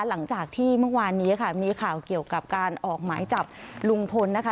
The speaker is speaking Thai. หลังจากที่เมื่อวานนี้ค่ะมีข่าวเกี่ยวกับการออกหมายจับลุงพลนะคะ